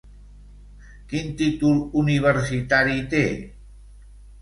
Quin títol universitari té?